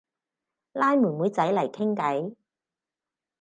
拉妹妹仔嚟傾偈